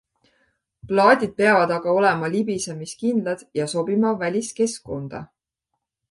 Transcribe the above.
Plaadid peavad aga olema libisemiskindlad ja sobima väliskeskkonda.